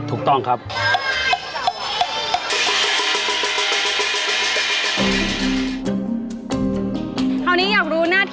อุปกรณ์ที่ใช้เสื้อผ้าก็นำเข้าหมด